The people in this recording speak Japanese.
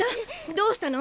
どうしたの？